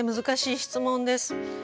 難しい質問です。